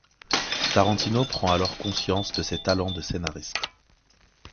Tarantino prend alors conscience de ses talents de scénariste.